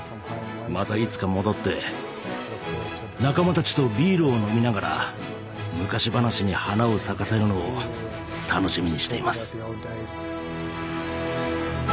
またいつか戻って仲間たちとビールを飲みながら昔話に花を咲かせるのを楽しみにしています。